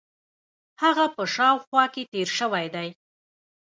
هغه په شاوخوا کې تېر شوی دی.